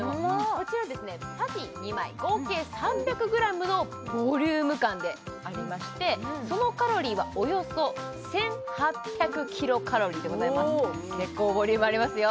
こちらですねパティ２枚合計３００ｇのボリューム感でありましてそのカロリーはおよそ１８００ｋｃａｌでございます結構ボリュームありますよ